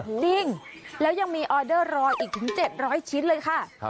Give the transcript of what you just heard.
จริงแล้วยังมีออเดอร์รออีกถึง๗๐๐ชิ้นเลยค่ะ